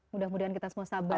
mudah mudahan kita semua sabar